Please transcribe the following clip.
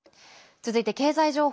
続いて経済情報。